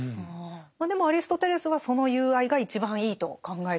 でもアリストテレスはその友愛が一番いいと考えてはいたんですもんね。